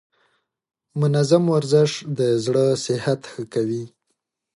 منظم ورزش د زړه صحت ښه کوي.